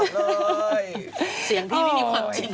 เลยเสียงพี่ไม่มีความจริง